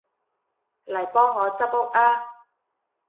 嚟幫我執屋吖